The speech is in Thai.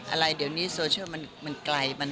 อะไรเดี๋ยวนี้โซเชียลมันไกล